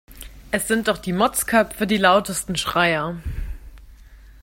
Es sind doch die Motzköpfe die lautesten Schreier.